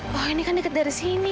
wah ini kan dekat dari sini